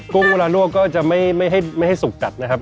ุ้งเวลานวกก็จะไม่ให้สุกกัดนะครับ